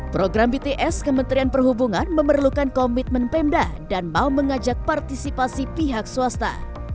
program bts kementerian perhubungan memerlukan komitmen pemda dan mau mengajak partisipasi pihak swasta